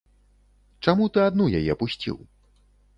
Чаму ты адну яе пусціў?